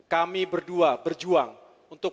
kami berdua berjuang untuk